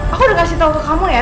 aku udah kasih tau ke kamu ya